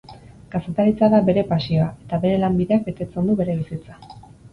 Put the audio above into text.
Kazetaritza da bere pasioa, eta bere lanbideak betetzen du bere bizitza.